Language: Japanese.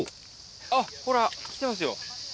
あっほら来てますよ。